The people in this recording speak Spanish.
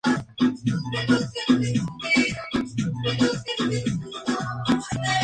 Este comodín tan solo se puede usar una vez.